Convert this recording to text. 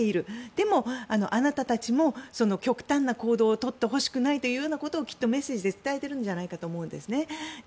でも、あなたたちも極端な行動を取ってほしくないというようなことをきっとメッセージで伝えているんじゃないかと思うんですね。